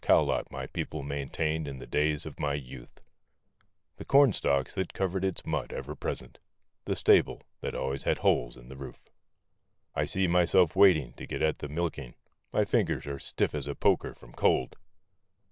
DEAR is the the cowlot mai da} laintam lys of my ith; cornstalks that covered its mud, ever present; the le that always had holes in the roof. I see myself wading to get at the milk¬ ing; my fingers are stiff as a poker from cold.